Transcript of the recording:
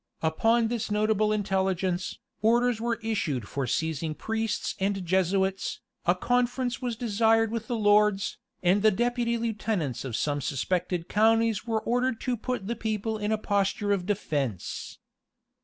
Upon this notable intelligence, orders were issued for seizing priests and Jesuits, a conference was desired with the lords, and the deputy lieutenants of some suspected counties were ordered to put the people in a posture of defence.